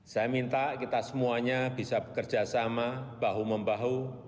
saya minta kita semuanya bisa bekerja sama bahu membahu